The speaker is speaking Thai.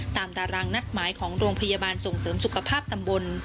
ตารางนัดหมายของโรงพยาบาลส่งเสริมสุขภาพตำบล